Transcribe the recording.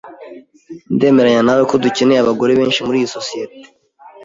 Ndemeranya nawe ko dukeneye abagore benshi muriyi sosiyete.